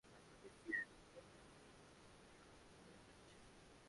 এখন, এই ফিল্ড ভেঙ্গেচুরে খানখান হয়ে যাচ্ছে!